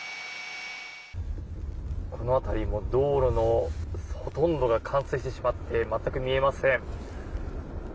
この辺りも道路のほとんどが冠水してしまって全く見えません。